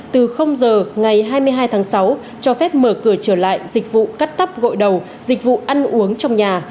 từ giờ ngày hai mươi hai tháng sáu cho phép mở cửa trở lại dịch vụ cắt tóc gội đầu dịch vụ ăn uống trong nhà